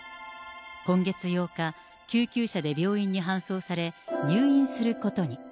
今月８日、救急車で病院に搬送され、入院することに。